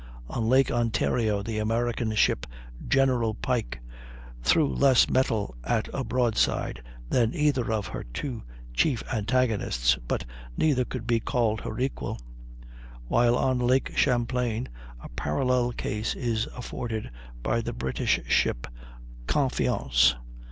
On Lake Ontario the American ship General Pike threw less metal at a broadside than either of her two chief antagonists, but neither could be called her equal; while on Lake Champlain a parallel case is afforded by the British ship Confiance.